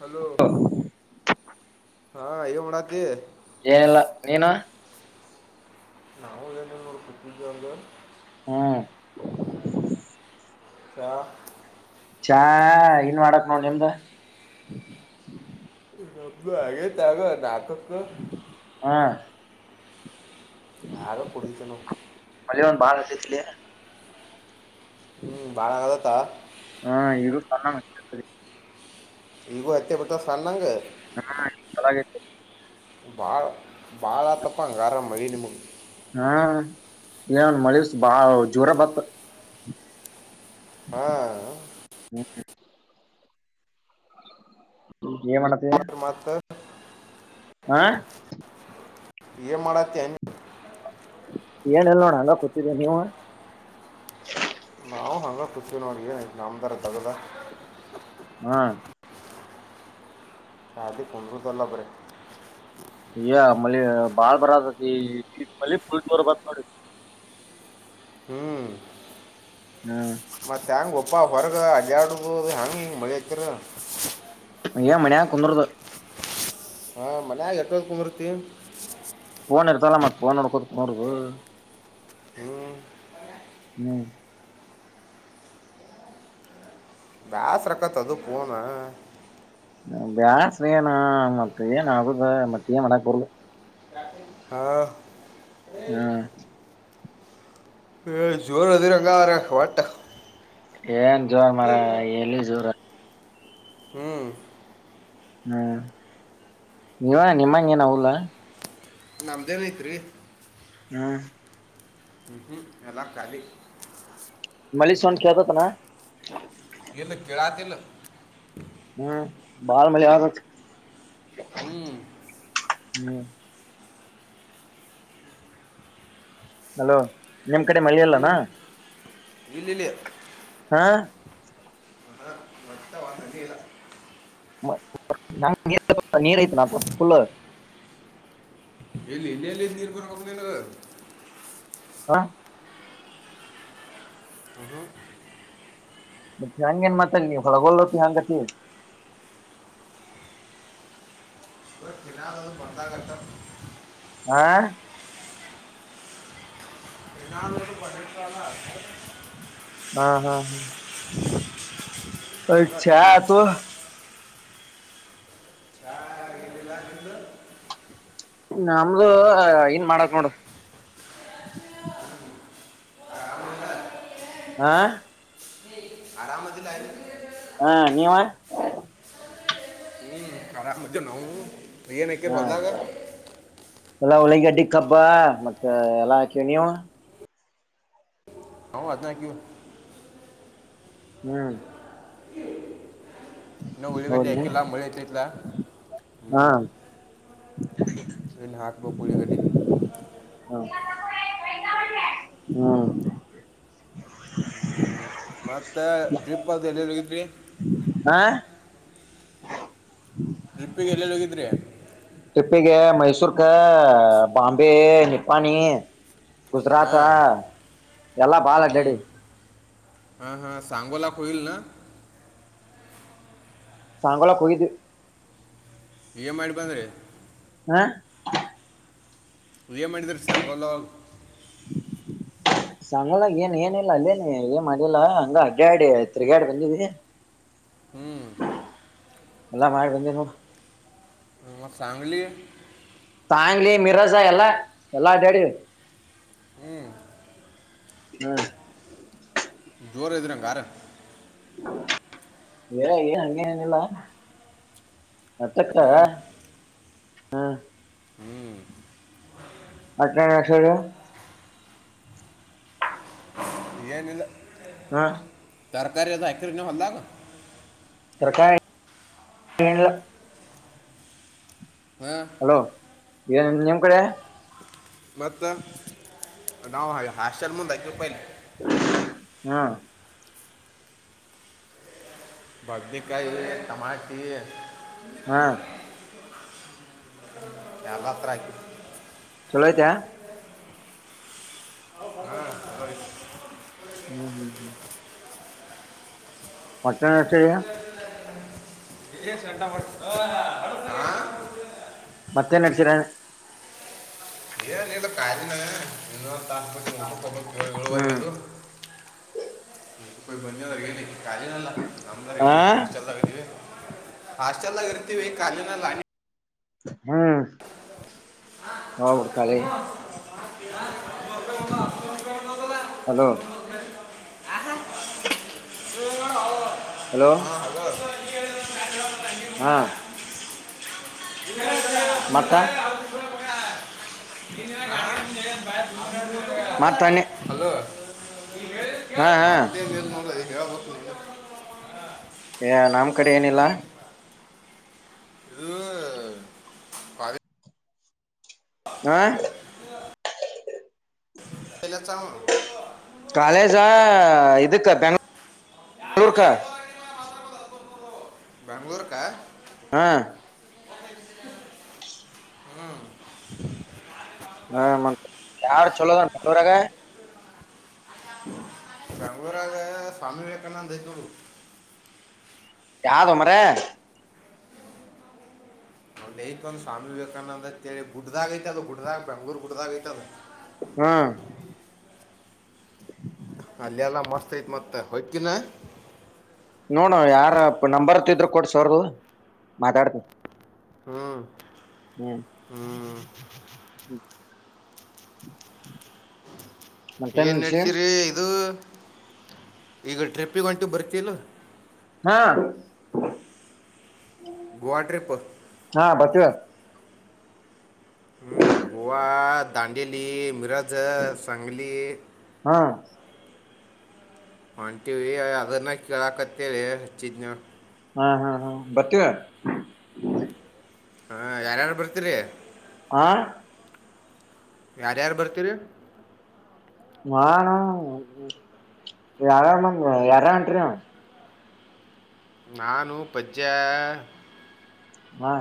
Hello ಏನ್ ಮಾಡಕ್ಕತ್ತಿ ಏನೆಲ್ಲಾ ನೀನ ನಾವು ಏನ ನೋಡ್ ಕುಟ್ಟಿದ್ದ ಅಂದ ಹಾ್ ಚ ಚಾ ಇನ್ ಮಾಡಕ್ ನೋಡ್ ನಿಮ್ದ ನಬ್ ಹಾಗಗೇತ್ ಆಗ ನಾಕಕ್ಕ ಹಾ ಯಾರ ಪಢಿತನ ಮಳೆ ಒಂದು ಬಾಳ ಬರುತ್ತದೆ ಇಲ್ಲಿ ಹ್ಞೂ ಭಾಳ ಆದತ್ತಾ ಹಾ ಇ ಚನ್ನ ಮಾಡಿರ್ತದೆ ಈಗೋ ಅತ್ತೆ ಪಟ್ಟ ಸಣ್ಣಂಗ ಹಾ ಚನ್ನಾಗೇತ ಭಾಳ ಭಾಳ ಆತಪ್ಪ ಹಂಗಾರ ಮಳಿ ನಿಮ್ಗೆ ಹಾ ಏನ್ ಮಳಿ ಜೋರಾದ ಬಾಳ ಜೋರ ಬತ್ ಹಾ ಬ ಏನ್ ಹ್ಞೂಮ ಮಾತ ಸ ಆಾ ಇ ಮಾಡ ಏನ ಎಲ್ ನೋಣ ಅ ಕೂತ್ತಿದ್ದೀ ನೀವು ನಾವು ಹಂಗ ಪು ನೋಡಿಗೆ ನಮದ ಅದಾಗಾ ಹಾ ಯದ ಕುಂದುು ತಲ್ಲಪ ಮಳೆ ಬಹಳ ಬರಕತೈತಿ ಮಳೆ ಫುಲ್ ಜೋರ್ ಬರ್ತಾತ್ ನೋಡು ಹ್ಮ್ ಹ್ಮ ಮತ್ತೆ ಹೆಂಗಪ್ಪ ಹೊರಗಡೆ ಮಳೆ ಹತ್ತಿದ್ರೆ ಮನೆ ಕುಂದ್ರು ಹಾ ಮನೆ ಎಷ್ಟೊತ್ಕೊಂಡ್ತಿ ಫೋನ್ ಎತ್ತಲ್ಲ ಫೋನ್ ನೋಡ್ಕೊಂತ ಕುಂದ್ರು ಹ್ಞೂ ಬೇಸರಕಾತಿ ಅದು ಫೋನು ಬ್ಯಾಸ್ರ ಏನಾ ಮತ್ತ ಏನ್ ಆಗುದ ಮತ್ತ ಏನ್ ಮಾಡಕ್ ಬರ್ಲ ರಾತ್ರಿ ಹಾ ಹ್ಮ ಹ ಜೋರು ಹದಿರಂಗ ಅವರ ಹೊಟ್ಟ ಏನ್ ಜೋರು ಮಾರಾಯ ಎಲ್ಲಿ ಜೋರು ಹ್ಮ್ ಹ್ಮ್ ನೀವ ನಿಮ್ಮಂಗ ಏನಲ್ಲ ನಮ್ದೇನಾಯ್ತ್ರಿ ಹ್ಮ್ ಎಲ್ಲಾ ಖಾಲಿ ಮಳ ಸೊಂಡ್ ಕೇತತ್ನಾ ಇಲ್ಲ ಗೆಳತಿಲ್ಲ ಬಹಳ ಮಳೆ ಬರುತ್ತಿದೆ ಹ್ಞೂ ಹಲೋ ನಿಮ್ ಕಡೆ ಮಳೆ ಇಲ್ಲೇನು ಇಲ್ಲಿಲ್ಲಿ ಹಾ ಹೊಟ್ಟೆ ಒಂದನೇ ಇಲ್ಲ ನೀರು ಆಯಿತೇನಪ್ಪಾ ಫುಲ್ಲು ಇಲ್ಲಿ ಇಲ್ಲಿಲ್ಲಿ ನೀರ್ಭರ ಹೇ ನಗರ್ ಹಾ ಹ ಬಟ್ ಹ ಹೆಂಗ ಏನ್ ಮಾತಲ್ಲ ನೀವ ಹೊಳಗಲ್ತಿ ಹಂಗತಿ ಇ ತಿಿನಾದದು ಕೊಂದ ಘಟ್ಟ [unintelligible] ಹಾ ನಿನಾನರು ಪಡೆಕಾಲ ಆಗು [unintelligible] ಹಾ ಹಾ ಹಾ ಆಗಟ್ಟ ಚಾ ಆಯ್ತು ಯ ಚಾ ಇಲ್ಲ ಎಲ್ಲಿಲ್ಲಿಂದ ನಿಂದು ನಿಂದು ನಮ್ದು ಏನ್ ಮಾಡಕ್ ನೋಡ ಆಾ ಆರಾಮದಲ್ಲಾಯ ಹಾ ನೀವ ಹಏ [unintelligible] ರಮದೇ ನಾವು ಏನು ಹಾಕಿರಿ ಹಾ ಹೊಲ್ದಾಗ ಎಲ್ಲ ಹಳ್ಳಗ್ಗಡ್ಡಿ ಕಬ್ಬ ಮತ್ತೆ ಎಲ್ಲಾ ಹಾಕ ನೀವು ಹೌವು ಅದನ ಕವು ಹ್ಮ್ ನವುಳ್ಳಿಗಡಿ ಹೌದ ಆಐಕಿಲ್ಲಳಿ ಇಲ್ಲ ಹಾ ಇಲ್ಲಿ ಹಾಕ್ಬೋ ಪಳಿಗಡಿ ಹ ಹ್ಮ ಮತ್ತೆ ಟ್ರಿಪ್ ಅದು ಎಲ್ಲೆಲ್ಲೋ ಇದ್ರಿ ಹಾ ಟ್ರಿಪ್ಪಿಿಗೆ ಎಲ್ಲಲ್ಲಿ ಹೋಗಿದ್ರಿ ಟ್ರಿಪ್ಪಿಗೆ ಮೈಸೂರಿಗೆ ಬಾಂಬೆ ನಿಪ್ಪಾಣಿ ಗುಜರಾತ್ ಹಾಂ ಎಲ್ಲಾ ಬಾಲ್ಡ್ಡಿ ಹಾ ಹಾ ಸಂಗೋಲಕ್ಲ್ ನ ಸಾಂಗೋಳ ಹೋಗಿದ್ವಿ ಎಮ್ ಮಾಡಿ ಬಂದ ರರಿ ಹಾ ಏನ್ ಮಾಡಿದ್ರಿ ಸಾಂಗು [inaudible] ಸಂಂಗಲಾಗ ಏನ್ ಏನಿಲ್ಲ ಅಲ್ಲೇ ಏನ್ ಮಾಡಿಲ್ಲಾ ಹಂಗ ಅಡ್ಡಾಡಿ ತಿರ್ಗಾಡಿ ಬಂದಿವಿ ಹ್ಞೂ ಎಲ್ಲ ಮಾಡಿ ಬಂದೇನು ಮ ಸಂಗಲಿ ತಾಂಗ್ಲಿ ಮಿರಜ ಎಲ್ಲಾ ಎಲ್ಲಾ ಡ್ಯಾಡಿ ಹ್ಮ್ ಹ್ಮ ಜೋರ ಇದ್ರಂಗಾರ ಹಂಗೇನೇನಿಲ್ಲ ಅತ್ತಕ್ಕ ಹ್ಮ ಅಟ ನಸರ [unintelligible] ಏನ ಇಲ್ಲ ಹಾ ತರಕಾರಿ ಅದ ಐಕ್ರ ನ ಹಲ್ಲಾಗ ಸರ್ಕಾರಿ ಇಲ್ಲ ಹಾ ಹಲೋ ಏನಿಲ್ಲ ನಿಮ್ಮ ಕಡೆ ಮ ನಾವು ಹಾಸ್ಟೆಲ್ ಮುಂದೆಕ ಪಯಲಿ ಹಾ ಬದ್ಮಕಾಯಿ ಟಮಾಟಿ ಹಾ ಯ ಅತ್ರ ಆಕಿ [unintelligible] ಚಲೋ ಐತಾ ಹ ಚಲೋ ಐತಿ ಹ್ಮ್ ಹ್ಮ್ ಹ್ಮ್ ಮಟ್ಟನಾ ಏನ್ ಸೆಂಟಾ ಮಾಡ್ತೀರೋ ಮತ್ತೆನ್ ನಡ್ಸೀರ. ಏನಿಲ್ಲ ಕಾರಿನ ಇನ್ನೊಂದ್ ತಾಸ್ ಬಿಟ್ಟು ಊಟಕ್ ಹೊಬೆಕ್ ಏಳ್ ಹ್ಮ್ ಏಳುವರೆಗದು. ಹೊಯ್ ಬಂದ [unintelligible] ನಮ್ದಾರ್ ಆ ಏನ್ ಹಾಸ್ಟೆಲ್ ದಾಗದಿವಿ ಹಸ್ಟೆಲ್ದಾಗ್ ಇರ್ತಿವಿ ಕಾಲಿನಲ ಹಂಗ್ ಹ್ಮ್ ಹೌದ್ ಕಾಲೇ ಹಾಂ ಹಲೋ ಆಹ [unintelligible] ಹಲೋ ಹಾ ಹಲೋ [unintelligible] ಹ [unintelligible] ಮತ್ತ [inaudible] ಆಮ್ನೆ ಬಾಯಾಗ್ [unintelligible] ಮತ್ತನ್ನೆ ಹಾ ಹಾ [unintelligible] ಏಯ್ ನಮ್ಮ್ ಕಡೆ ಏನಿಲ್ಲ ಇದು ಆ ತಲೆ ಚಾವು ಕಾಲೇಜಾ ಇದುಕ್ಕ ಬೆಂಗ್ ಳೂರ್ಕ. ಬೆಂಗ್ಳೂರುಕ ಹಾ ಹ್ಮ ಮತ್ತ್ ಯಾರ್ ಚಲೋ [unintelligible] ಬೆಂಗ್ಳೂರಾಗ ಸ್ವಾಮಿ ವಿವೇಕಾನಂದ ಐತ್ನೋಡು. ಯಾವ್ದೋ ಮರೆಯ್ ಐತ್ ಒಂದ್ ಸ್ವಾಮಿ ವಿವೇಕಾನಂದಂತೆಳಿ ಗುಡ್ದಾಗೈತದು ಗುಡ್ದಾಗ್ ಬೆಂಗ್ಳೂರ್ ಗುಡ್ದಾಗ ಐತದು. ಹಾ [inaudible] ಅಲ್ಲೇಲ್ಲ ಮಸ್ತ್ ಐತ್ ಮತ್ತ ಹೊಯ್ಕಿನ ನೋಡ ಯಾರ ನಂಬರ್ ತ ಇದ್ರ ಕೊಡ್ಸ್ ಅವ್ರುದ್ ಮಾತಾಡ್ತಿನ್. ಹ್ಮ್ ಹ್ಮ್ ಹ್ಮ್ ಮತ್ತೇನ್ ಏನು ವಿಷಯ ನಡೆಸಿರಿ ಇದು ಈಗ ಟ್ರಿಪ್ಪಿಗ್ ಹೊಂಟಿವಿ ಬರ್ತಿಲ್ಲೋ. ಹಾ ಗೋವಾ ಟ್ರಿಪ್ ಹಾ ಬರ್ತೀವ ಹ್ಞೂ [inaudible] ಗೋವಾ, ದಾಂಡೇಲಿ, ಮೀರಾಜೆ, ಸಂಗ್ಲಿ ಹಾ ಹೊಂಟಿವಿ ಅದನ್ನ ಕೇಳಾಕತ್ತೇಳಿ ಹೆಚ್ಚಿದ್ ನೋಡ್. ಹಾ ಹಾ ಬರ್ತೀವ. ಹಾ ಯಾರ್ಯಾರ್ ಬರ್ತೀರಿ. ಆ ಯಾರ್ಯಾರ್ ಬರ್ತೀರಿ. ಯಾರ್ಯಾರ್ ಬಂದ್ರು ಯಾರ್ಯಾರು ಹೊಂಟೀರಿ ನೀವು ನಾನು ಪಜ ಹಾ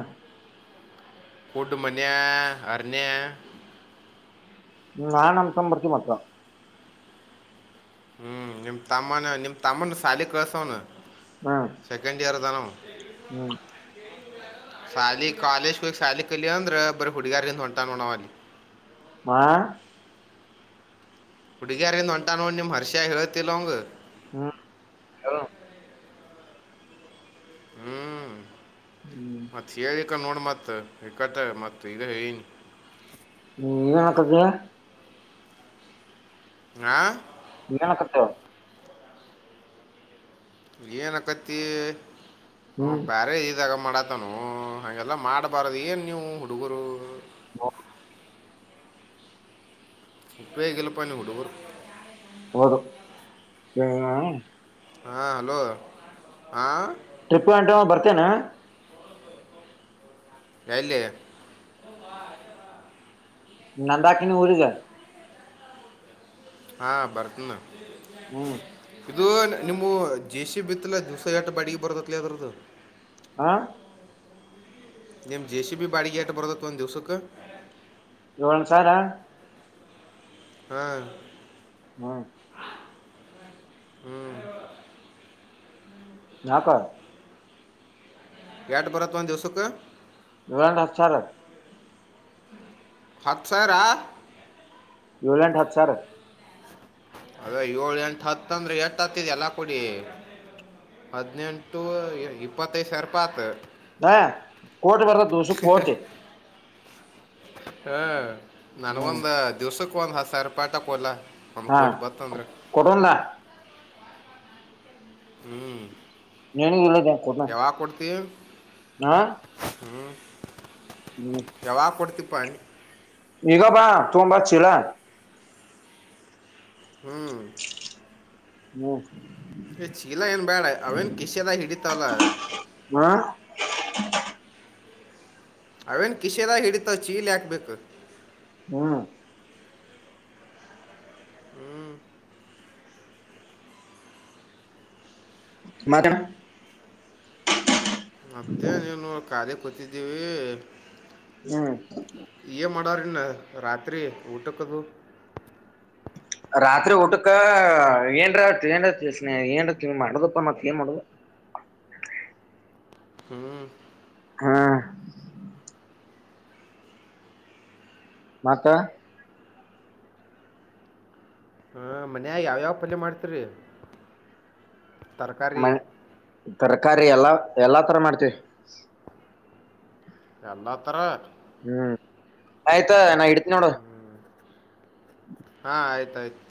ಫುಡ್ ಮಾನ್ಯ ಅರಣ್ಯ ಹ್ಮ್ ಆನ ಸಂ ಪ್ರೃತಿ ಅತ್ರ ಹ್ಮ್ ನಿಮ್ ತಮ್ಮಾನ ನಿಮ್ ತಮ್ಮನ ಶಾಲಿ ಕಳ್ಸೋನು ಹ್ಮ ಸೆಕೆಂಡ್ ಇಯರ್ ಆದ ನಾವ ಹ್ಮ್ ಶಾಲಿ ಕಾಲೇಜ್ ಕೋಗ ಶಾಲಿ ಕಲಿ ಅಂದ್ರ ಬರ ಹುಡುಗಾರಿಂದ ಹೊಂಟ ನೋಡಾವ ಅಲ್ಲಿ ಮಾ ಹುಡುಗಿಯರಿಂದ ಹೊಂಟ ನೋಡಿ ನಿಮ್ಮ ಹರ್ಷಿಯ ಹ ಹೇಳುತ್ತತಿಿಲ್ಲವಂಗಗೆ ಹ್ಮ ಹ ಹ್ಮ್ ಹ್ಮ್ ಮ ಥಿಯರಿಕ ನೋಡಿ ಮತ್ತ ಇಕ್ಕಟ್ಟ ಮತ್ತ ಇದು ಏನು ನೀ ಕನಕ್ಕಕ್ಕೆ ಆಾ ನಿನ ಕತ್ತೋಳ ಏನ ಕಥೆ ಅವನು ಹ್ಮ್ ಬೇರೆ ಇದ್ರೆ ಮಾಡುತ್ತಾನೆ ತಾನ ಹಗೆಲ್ಲ ಮಾಡ್ಬಾರದು ಏನ್ ನೀವು ಹುಡುಗರು ಹ ಮುಪ್ಪೇ ಗಗೆಲಪಾಯನ್ನು ಕೊಡುಬರು ಬರು ಹಾಂ ಹಲೋ ಹಾಂ ಟ್ರಿಪ್ ಗಂಟ ಬರ್ತೇನಾ ಕೆಂಪೇಗೌಡ ಎಲ್ಲಿ ನಂದಾನ ನೀಊಗ ಹಾಂ ಬರ್ತನ ಹ್ಮ್ ಇದು ನಿಮ್ಮ ಜೇಸ ಬಿತ್ತಲಾ ದಿವ್ಸ ಜಾಟ ಬಾಡಿಗೆ ಬರದತ್ತಲ ಯದ್ರದ್ದು ಹಾ ನಿಮ್ಮ ಜೆ ಸಿ ಬಿ ಬಾಡಿಗೆ ಆಷ್ಟು ಬರೋದತ್ತತ್ತು ಒಂದು ದಿವ್ಸಕ್ಕೆ ಇವಳುಸಾರಾ ಹಾ ಹ್ಮ್ ಯಾ ಕ ಎಟು ಬರತ್ತ ಒಂದು ದಿವ್ಸಕ್ಕೆ ಯುಟುಇಲ್ಲ ಹಾತು ಸವೀರ ಹತ್ ಸರ ಏಳೆಂ ಹತ್ತು ಸರ್ ಅದೇ ಏಳು ಎಂಟು ಹತ್ತಂದ್ರೆ ಎಟ್ಟ ಹತ್ತಿದ ಎಲ್ಲಾ ಕುಡಿ ಹದಿನೆಂಟು ಇಪ್ಪತ್ತೈದು ಸಾವರ ಪತ ನ ಕೋಟೆ ಬರ್ತ ದದುಸ ಕೋಟೆ ಹ ನನ್ಗ ಹ್ಮ್ ಒಂದ ದಿವ್ಸಕ್ ಒಂದ್ ಸರಿ ಪಾಠಕ್ಲ್ಲ ಹಾ ಕೊಠದಾ ಹ್ಮ್ [unintelligible] ಯಾವಾಗ ಕೊಡ್ತೀ? ಹಾಂ ಹ್ಮ್ ಹ್ಮ್ ಯಾವಾಗ ಕೊಡ್ತಿಪ್ಪ? ಈಗ ಬಾ ತೊಂಬಾ ಚೀಲ. ಹಾಂ ಹ ಏ ಚೀಲ ಏನು ಬ್ಯಾಡ ಅವೇನು ಕಿಸೆದಾಗ ಹಿಡಿತವಲ್ಲ. ಹಾ ಅವೇನು ಕಿಸೆದಾಗ್ ಹಿಡಿತಾವ್ ಚೀಲ ಯಾಕ್ಬೇಕು. ಹ್ಮ್ ಹ್ಮ್ ಮತ್ತೆಣ ಮತ್ತೆ ಏನು ಖಾಲಿ ಕೂತಿದ್ದೀವಿ. ಹ್ಮ್ ಏ ಮಾಡವ್ರನ್ನ ರಾತ್ರಿ ಊಟಕ್ಕದು. ರಾತ್ರಿ ಊಟಕ್ಕ ಏನ್ರ ಏನ್ ತಿನ ಏನ್ ತಿ ಮಾಡದಪ್ಪ ಮತ್ತೇನ್ ಮಾಡುದು. ಹ್ಮ್ ಹಾ ಮತ್ತ ಹಾ ಮನ್ಯಾಗ ಯಾವ್ಯಾವ ಪಲ್ಯ ಮಾಡ್ತೀರಿ? ತರಕಾರಿ ಮ ತರಕಾರಿ ಎಲ್ಲಾ ಎಲ್ಲಾ ತರ ಮಾಡ್ತೀವಿ. ಎಲ್ಲಾ ತರ. ಹ್ಮ್ ಆಯ್ತ ನಾ ಇಡ್ತ್ ನೋಡ್. ಹ್ಮ್ ಹಾ ಆಯ್ತ್ ಆಯ್ತು.